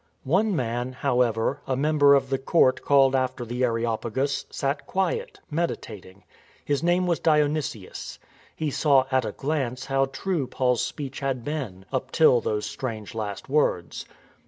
One man, however, a member of the court called after the Areopagus, sat quiet, meditating. His name was Dionysius. He saw at a glance how true Paul's speech had been, up till those strange last words.